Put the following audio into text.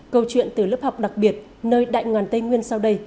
câu chuyện từ lớp học đặc biệt nơi đại ngàn tây nguyên sau đây